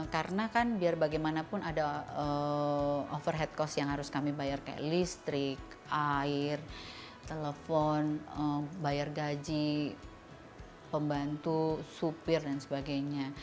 karena kan biar bagaimanapun ada overhead cost yang harus kami bayar kayak listrik air telepon bayar gaji pembantu supir dan sebagainya